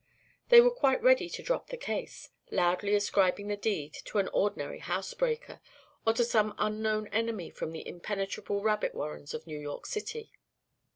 They were quite ready to drop the case, loudly ascribing the deed to an ordinary housebreaker, or to some unknown enemy from out the impenetrable rabbit warrens of New York City.